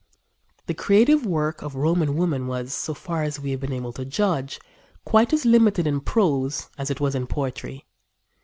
The creative work of Roman women was, so far as we are able to judge, quite as limited in prose as it was in poetry.